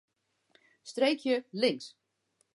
Streekje links.